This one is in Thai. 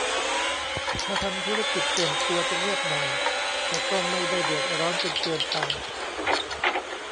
ถ้าทำธุรกิจส่วนตัวจะเงียบหน่อย แต่ก็ไม่ได้เดือดร้อนจนเกินไป